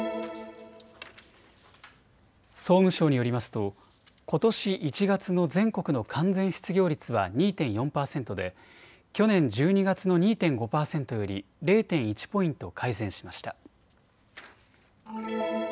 総務省によりますとことし１月の全国の完全失業率は２．４％で去年１２月の２．５％より０．１ポイント改善しました。